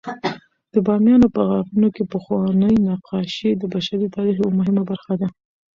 د بامیانو په غارونو کې پخواني نقاشۍ د بشري تاریخ یوه مهمه برخه ده.